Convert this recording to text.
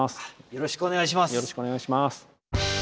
よろしくお願いします。